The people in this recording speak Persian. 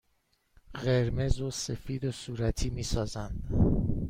قرمز و سفید صورتی می سازند.